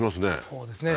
そうですね